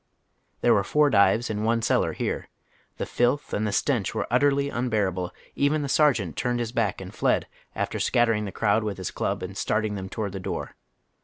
There were four dives in one cellar here. The filth and the stench were utterly unbearable ; even the sergeant turned his back and fled after scattering the crowd with his club and starting them toward the door.